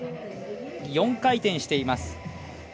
４回転しています。